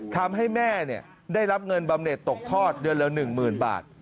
ทำให้แม่ได้รับเงินบำเน็ตตกทอดเดือนละ๑๐๐๐บาท